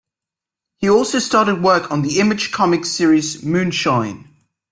He also started work on the Image Comics series "Moonshine".